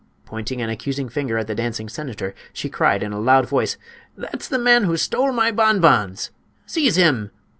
Pointing an accusing finger at the dancing senator, she cried in a loud voice: "That's the man who stole my bonbons! Seize him!